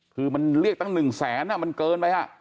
คือมันเรียกตั้ง๑แสนมันเกินไป